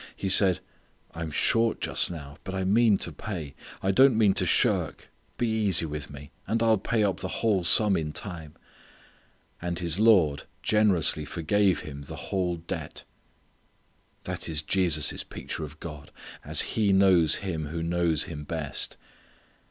He said: "I'm short just now; but I mean to pay; I don't mean to shirk: be easy with me; and I'll pay up the whole sum in time." And his lord generously forgave him the whole debt. That is Jesus' picture of God, as He knows Him who knows Him best.